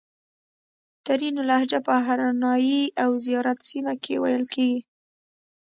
ترینو لهجه په هرنایي او زیارت سیمه کښې ویل کیږي